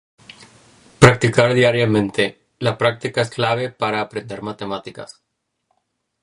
Practicar diariamente: la práctica es clave para aprender matemáticas.